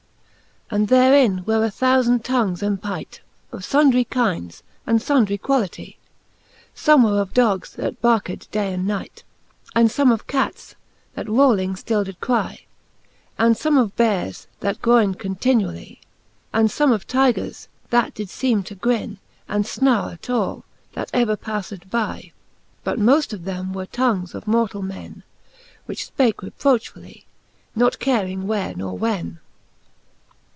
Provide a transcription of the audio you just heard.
And therein were a thoufand tongs empight, Of fundry kindes, and fundry quality ; Some were of dogs, that barked day and night, And fome of cats, that wrawHng ftill did cry, And fome of beares, that groynd continually, And fome of tygres, that did feeme to gren. And fnar at all, that ever pafTed by : But moft of them were tongues of mortall men, Which fpake reprochfully, not caring where nor when.